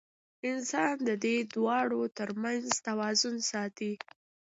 انسان د دې دواړو تر منځ توازن ساتي.